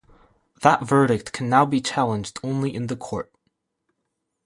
That verdict can now be challenged only in the court.